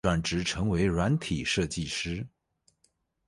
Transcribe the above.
轉職成為軟體設計師